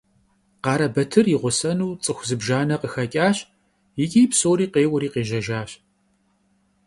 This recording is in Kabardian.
Kharebatır yi ğusenu ts'ıxu zıbjjane khıxeç'aş yiç'i psori khêueri khêjejjaş.